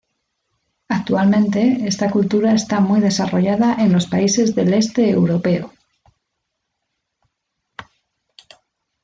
Actualmente esta cultura está muy desarrollada en los países del este europeo.